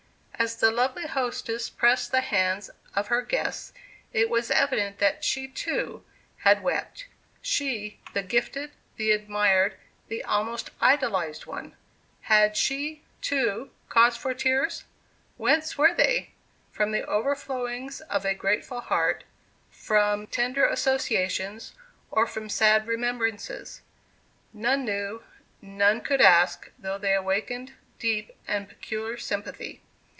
As the lovely hostess pressed the hands of her guests, it was evident that she, too, had wept, she, the gifted, the admired, the almost idolized one. Had she, too, cause for tears? Whence were they? from the overflowings of a grateful heart, from tender associations, or from sad remembrances? None knew, none could ask, though they awakened deep and peculiar sympathy.